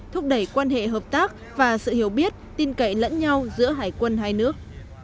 thúc đẩy quan hệ hợp tác và sự hiểu biết tin cậy lẫn nhau giữa hải quân hai nước